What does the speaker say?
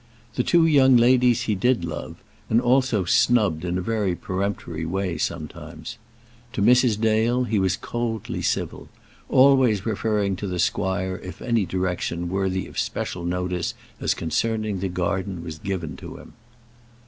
The two young ladies he did love, and also snubbed in a very peremptory way sometimes. To Mrs. Dale he was coldly civil, always referring to the squire if any direction worthy of special notice as concerning the garden was given to him.